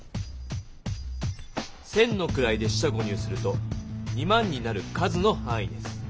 千の位で四捨五入すると２万になる数のはんいです。